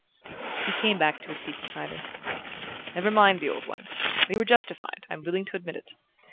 He came back to his seat beside her. "Never mind the old ones. They were justified I'm willing to admit it.